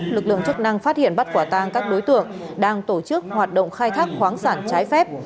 lực lượng chức năng phát hiện bắt quả tang các đối tượng đang tổ chức hoạt động khai thác khoáng sản trái phép